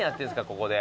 ここで？